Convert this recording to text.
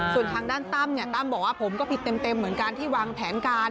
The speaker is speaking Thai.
ส่วนทางด้านตั้มเนี่ยตั้มบอกว่าผมก็ผิดเต็มเหมือนกันที่วางแผนการ